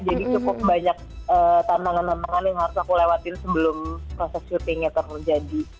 jadi cukup banyak tambangan tambangan yang harus aku lewatin sebelum proses syutingnya terjadi